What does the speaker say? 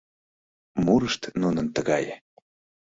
Мурышт нунын тыгае: